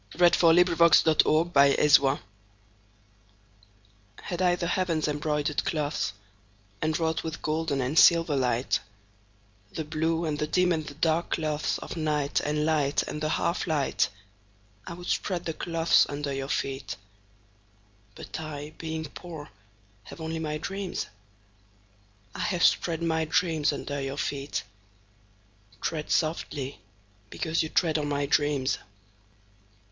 36. Aedh wishes for the Cloths of Heaven HAD I the heavens' embroidered cloths, Enwrought with golden and silver light, The blue and the dim and the dark clothsOf night and light and the half light,I would spread the cloths under your feet:But I, being poor, have only my dreams;I have spread my dreams under your feet; Tread softly because you tread on my dreams.